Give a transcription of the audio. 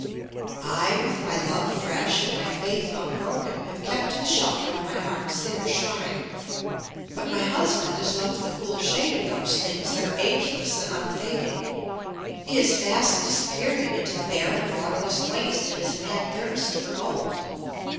I, with my love fresh and my faith unbroken, have kept to the shelter of my heart's inner shrine. But my husband has left the cool shade of those things that are ageless and unfading. He is fast disappearing into the barren, waterless waste in his mad thirst for gold.